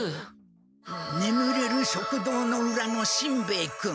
ねむれる食堂のうらのしんべヱ君？